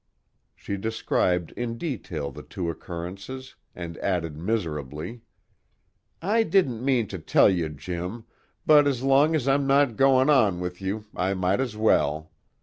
She described in detail the two occurrences, and added miserably: "I didn't mean to tell you, Jim, but as long as I'm not goin' on with you I might as well.